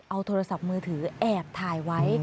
เอาโทรศัพท์มือถือแอบถ่ายไว้